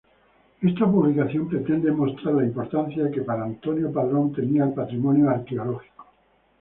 Esta publicación pretende mostrar la importancia que para Antonio Padrón tenía el patrimonio arqueológico.